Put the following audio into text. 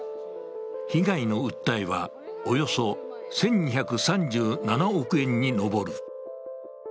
被害の訴えは、およそ１２３７億円に上る。